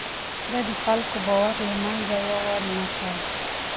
ده د خلکو باور له منځه يووړ نه کړ.